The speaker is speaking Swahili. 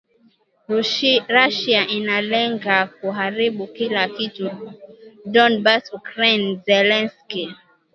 Russia inalenga kuharibu kila kitu Donbas Ukraine - Zelensky